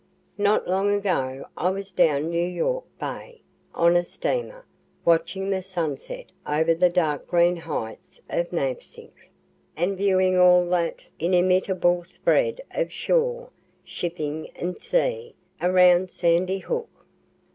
Not long ago I was down New York bay, on a steamer, watching the sunset over the dark green heights of Navesink, and viewing all that inimitable spread of shore, shipping and sea, around Sandy Hook.